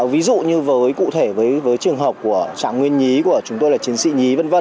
ví dụ như với trường hợp của trạng nguyên nhí của chúng tôi là chiến sĩ nhí